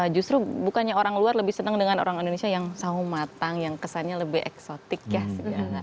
justru bukannya orang luar lebih senang dengan orang indonesia yang sahu matang yang kesannya lebih eksotik ya segala